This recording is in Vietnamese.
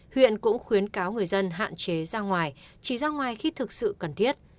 huyện cũng khuyến cáo người dân hạn chế ra ngoài chỉ ra ngoài khi thực sự cần thiết